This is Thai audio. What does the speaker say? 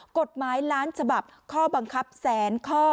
กฎหมายล้านฉบับข้อบังคับแสนข้อ